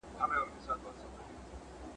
هغه دي دغه لارښووني عملي کړي.